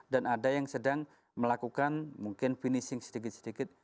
dan ada yang sedang melakukan mungkin finishing sedikit sedikit